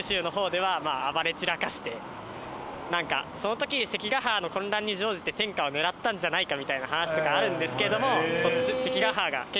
その時関ケ原の混乱に乗じて天下を狙ったんじゃないかみたいな話とかあるんですけども。